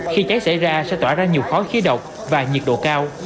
khi cháy xảy ra sẽ tỏa ra nhiều khói khí độc và nhiệt độ cao